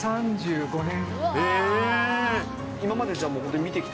３５年。